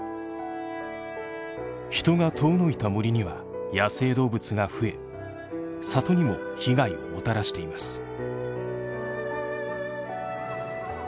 人が遠のいた森には野生動物が増え里にも被害をもたらしています。